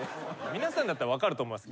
皆さんだったら分かると思います。